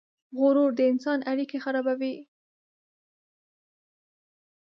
غرور د انسان اړیکې خرابوي.